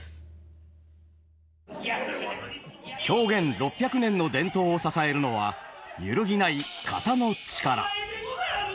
狂言６００年の伝統を支えるのは揺るぎない「型」の力。